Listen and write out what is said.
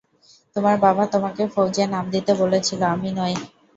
তোমার বাবা তোমাকে ফৌজে নাম দিতে বলেছিল, আমি নই।